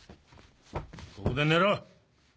ここで寝ろ。